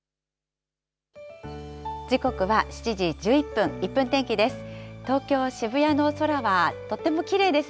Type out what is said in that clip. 時刻は７時１１分、１分天気です。